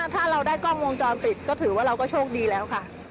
ถ้าเราได้กล้องวงจรปิดก็ถือว่าเราก็โชคดีแล้วค่ะ